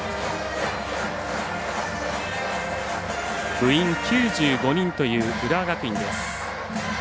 部員９５人という浦和学院です。